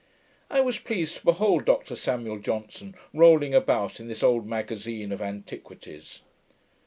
I was pleased to behold Dr Samuel Johnson rolling about in this old magazine of antiquities.